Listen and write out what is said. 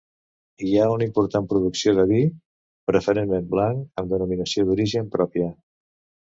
Hi ha una important producció de vi, preferentment blanc, amb denominació d'origen pròpia.